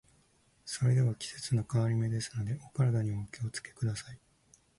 それでは、季節の変わり目ですので、お体にはお気を付けください。